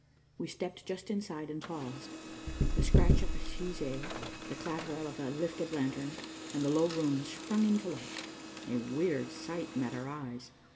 We stepped just inside and paused. The scratch of a fusee, the clatter of a lifted lantern, and the low room sprung into light. A weird sight met our eyes.